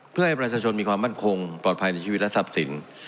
เพื่อให้ประชาชนมีความมั่นคงปลอดภัยในชีวิตและทรัพย์สิน